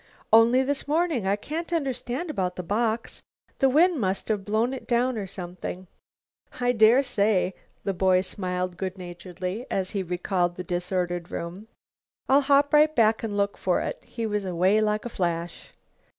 "Only this morning. I can't understand about the box. The wind must have blown it down, or something." "I dare say." The boy smiled good naturedly as he recalled the disordered room. "I'll hop right back and look for it." He was away like a flash.